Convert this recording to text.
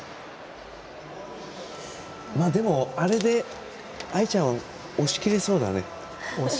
でも、あれで秋彩ちゃんは押し切れそうだね。